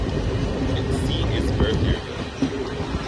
Its seat is Berthierville.